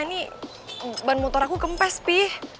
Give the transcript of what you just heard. ini ban motor aku kempes pi